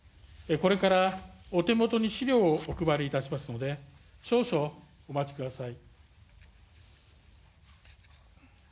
これからお手元に資料をお配りいたしますので、少々お待ちください。